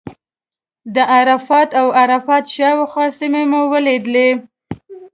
د عرفات او عرفات شاوخوا سیمې مو ولیدې.